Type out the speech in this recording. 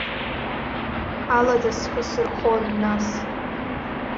Алада схы сырхон, нас.